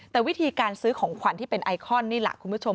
แต่วิธีการซื้อของขวัญที่เป็นไอคอนนี่แหละคุณผู้ชม